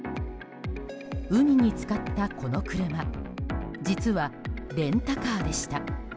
海に浸かった、この車実はレンタカーでした。